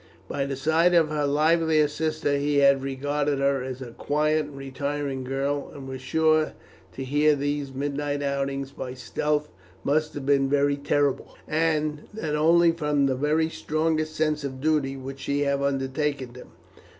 By the side of her livelier sister he had regarded her as a quiet and retiring girl, and was sure that to her these midnight outings by stealth must have been very terrible, and that only from the very strongest sense of duty would she have undertaken them.